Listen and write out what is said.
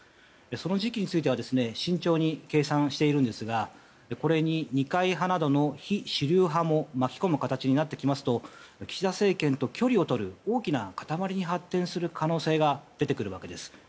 その時期については慎重に計算しているんですがこれに二階派などの非主流派も巻き込む形になってきますと岸田政権と距離をとる大きな固まりに発展する可能性が出てくるわけです。